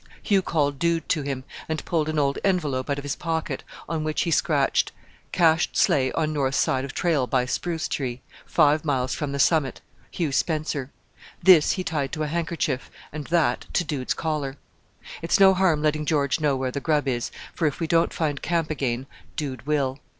Hugh called Dude to him, and pulled an old envelope out of his pocket, on which he scratched: "Cached sleigh on north side of trail by spruce tree, five miles from the summit. Hugh Spencer." This he tied to a handkerchief, and that to Dude's collar. "It's no harm letting George know where the grub is, for if we don't find camp again, Dude will."